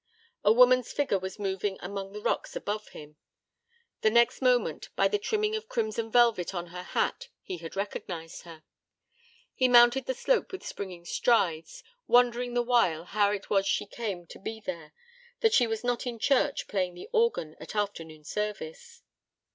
A woman's figure was moving among the rocks above him. The next moment, by the trimming of crimson velvet on her hat, he had recognized her. He mounted the slope with springing strides, wondering the while how it was she came to be there, that she was not in church playing the organ at afternoon service.